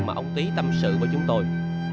mà ông tý tâm sự với chúng tôi